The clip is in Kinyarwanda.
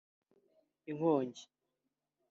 Inkongi